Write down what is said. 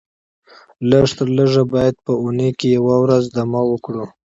لږ تر لږه باید په اونۍ کې یوه ورځ دمه وکړو